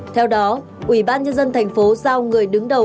theo đó ubnd tp giao người đứng đầu